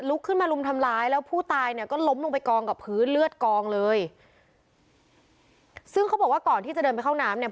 ขึ้นมาลุมทำร้ายแล้วผู้ตายเนี่ยก็ล้มลงไปกองกับพื้นเลือดกองเลยซึ่งเขาบอกว่าก่อนที่จะเดินไปเข้าน้ำเนี่ย